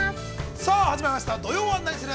さあ始まりました「土曜はナニする！？」。